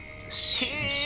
「へえ」。